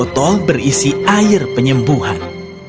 dan botol berisi air penyembuhan